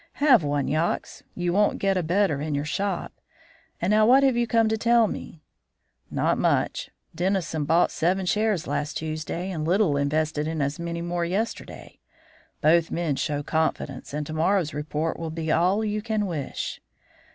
Have one, Yox; you won't get a better in your shop; and now, what have you come to tell me?" "Not much. Dennison bought seven shares last Tuesday and Little invested in as many more yesterday. Both men show confidence, and to morrow's report will be all you can wish."